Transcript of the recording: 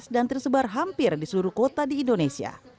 dan tersebar hampir di seluruh kota di indonesia